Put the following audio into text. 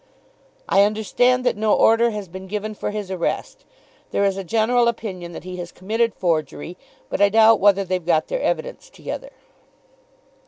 "I understand that no order has been given for his arrest. There is a general opinion that he has committed forgery; but I doubt whether they've got their evidence together."